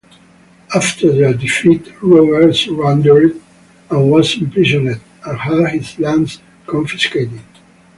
After their defeat, Robert surrendered and was imprisoned and had his lands confiscated.